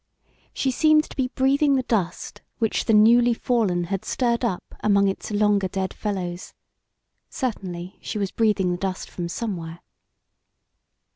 She seemed to be breathing the dust which the newly fallen had stirred up among its longer dead fellows. Certainly she was breathing the dust from somewhere.